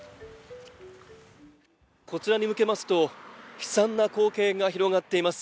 こちらに向けますと悲惨な光景が広がっています。